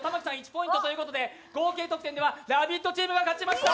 １ポイントということで合計ポイントでは「ラヴィット！」チームが勝ちました。